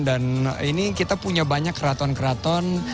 dan ini kita punya banyak keraton keraton